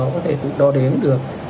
cái hệ thống đó có thể đo đếm được